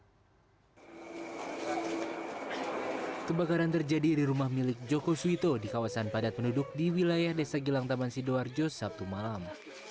kebakaran terjadi di rumah milik joko suito di kawasan padat penduduk di wilayah desa gilang taman sidoarjo sabtu malam